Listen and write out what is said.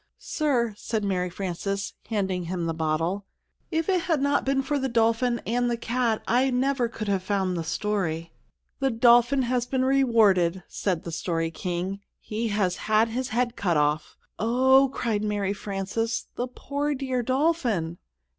"Sir," said Mary Frances, handing him the bottle, "if it had not been for the dolphin and the cat, I never could have found the story." "The dolphin has been rewarded," said the Story King; "he has had his head cut off " "Oh," cried Mary Frances, "the poor, dear dolphin!"